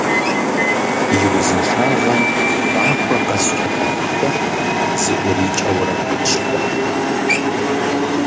И узыншагъэм махуэ къэскӀэ тохъуэхъухь, зыӀурикӀэурэ щхъухь.